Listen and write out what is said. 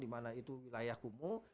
di mana itu wilayah kumuh